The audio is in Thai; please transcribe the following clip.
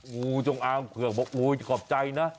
งูจงอางเผือกบอกโอ้ยขอบใจนะ